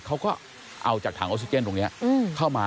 เขาก็เอาจากถังออกซิเจนตรงนี้เข้ามา